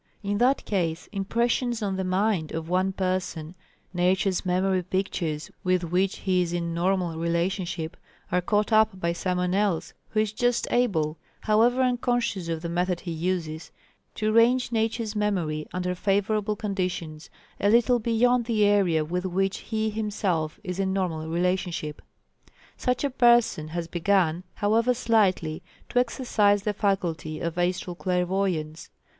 In that case "impressions on the mind" of one person Nature's memory pictures, with which he is in normal relationship, are caught up by someone else who is just able, however unconscious of the method he uses to range Nature's memory under favourable conditions, a little beyond the area with which he him self is in normal relationship. Such a person has begun, however slightly, to exercise the faculty of astral clairvoyance.